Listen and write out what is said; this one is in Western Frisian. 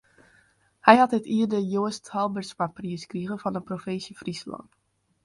Hy hat dit jier de Joast Halbertsmapriis krige fan de Provinsje Fryslân.